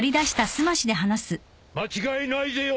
間違いないぜよ